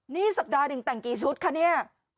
นี่สัปดาห์หนึ่งแต่งกี่ชุดคะเนี่ย